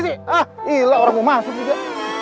gila orang mau masuk juga